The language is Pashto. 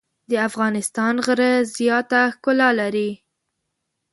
د افغانستان غره زیاته ښکلا لري.